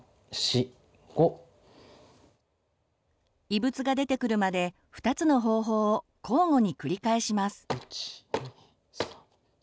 異物が出てくるまで２つの方法を交互に繰り返します。